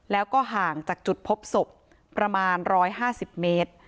แล้วก็ห่างจากจุดพบศพประมาณ๑๕๐เมตร